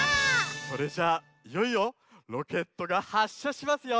それじゃあいよいよロケットがはっしゃしますよ。